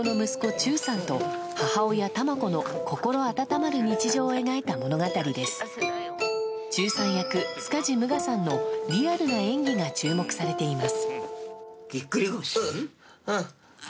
ちゅうさん役、塚地武雅さんのリアルな演技が注目されています。